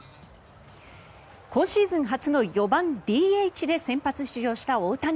今シーズン初の４番ＤＨで先発出場した大谷。